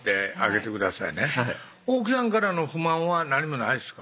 奥さんからの不満は何もないですか？